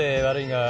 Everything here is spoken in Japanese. はい！